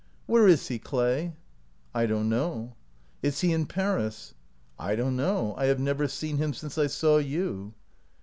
" Where is he, Clay ?"" I don't know." "Is he in Paris?" " I don't know. I have never seen him since I saw you."